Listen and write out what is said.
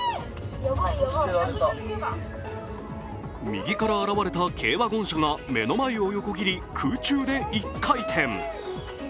右から現れた軽ワゴン車が目の前を横切り空中で一回転。